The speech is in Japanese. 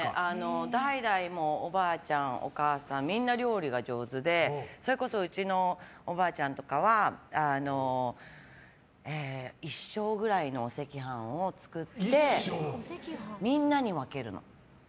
代々おばあちゃん、お母さんみんな料理が上手でそれこそうちのおばあちゃんは一升ぐらいのお赤飯を作ってみんなに分けるの。